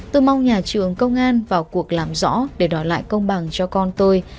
tôi mong nhà trường công an vào cuộc làm rõ để đòi lại công bằng cho con tôi